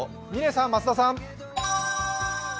嶺さん、増田さん。